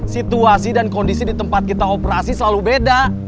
situasi dan kondisi di tempat kita operasi selalu beda